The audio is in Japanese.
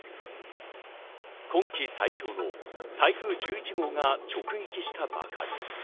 今季最強の台風１１号が直撃したばかり。